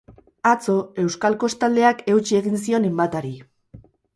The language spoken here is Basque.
Atzo, euskal kostaldeak eutsi egin zion enbatari.